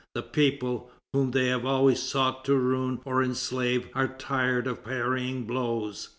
The people, whom they have always sought to ruin or enslave, are tired of parrying blows.